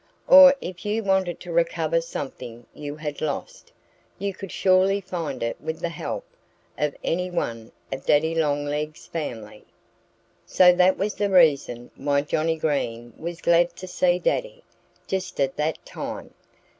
Or if you wanted to recover something you had lost, you could surely find it with the help of any one of Daddy Longlegs' family. So that was the reason why Johnnie Green was glad to see Daddy just at that time.